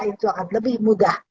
itu akan lebih mudah